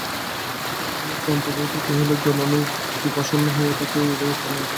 তন্তুবায়দুহিতা কহিল জননি যদি প্রসন্ন হইয়া থাক এই উভয়ের প্রাণদান কর।